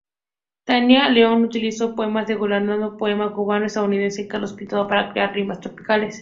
Tania León utilizó poemas del galardonado poeta cubano-estadounidense Carlos Pintado para crear "Rimas tropicales".